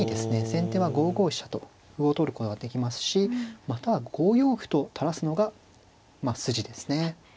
先手は５五飛車と歩を取ることができますしまたは５四歩と垂らすのがまあ筋ですね。